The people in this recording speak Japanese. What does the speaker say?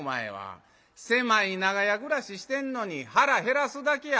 狭い長屋暮らししてんのに腹減らすだけや」。